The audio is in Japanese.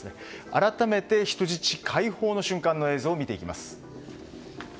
改めて人質解放の瞬間の映像を見ていきます。